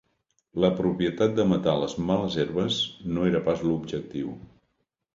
La propietat de matar les males herbes no era pas l'objectiu.